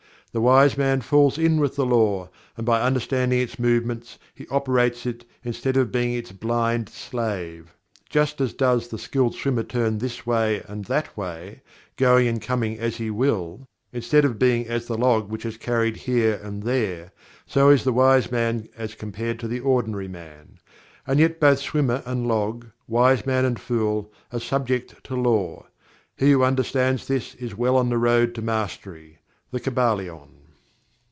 The wise man falls in with the Law, and by understanding its movements he operates it instead of being its blind slave. Just as does the skilled swimmer turn this way and that way, going and coming as he will, instead of being as the log which is carried here and there so is the wise man as compared to the ordinary man and yet both swimmer and log; wise man and fool, are subject to Law. He who understands this is well on the road to Mastery." The Kybalion.